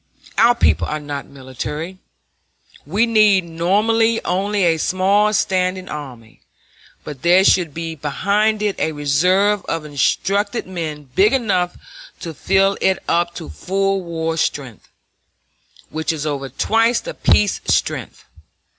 Our people are not military. We need normally only a small standing army; but there should be behind it a reserve of instructed men big enough to fill it up to full war strength, which is over twice the peace strength.